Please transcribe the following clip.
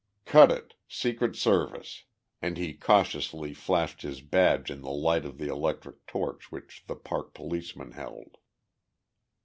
Cut it! Secret Service!" and he cautiously flashed his badge in the light of the electric torch which the park policeman held.